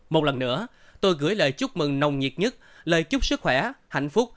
một lần nữa tôi gửi lời chúc mừng nồng nhiệt nhất lời chúc sức khỏe hạnh phúc